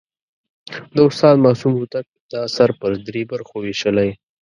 د استاد معصوم هوتک دا اثر پر درې برخو ویشلی.